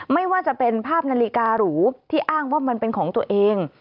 ไม่ว่าจะเป็นภาพนาฬิการูที่อ้างว่ามันเป็นของตัวเอง